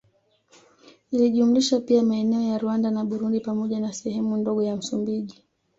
Ilijumlisha pia maeneo ya Rwanda na Burundi pamoja na sehemu ndogo ya Msumbiji